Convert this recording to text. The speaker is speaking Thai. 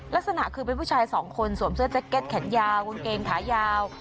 ลักษณะคือเป็นผู้ชายสองคนสวมเสื้อแจ็คเก็ตแขนยาวกางเกงขายาว